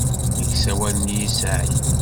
Nek sawalen-iyi Saɛid.